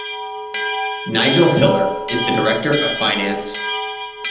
Nigel Hiller is the Director of Finance.